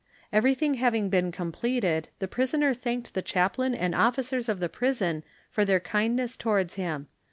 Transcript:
Everything having been completed, the prisoner thanked the chaplain and officers of the prison for their kindness towards him.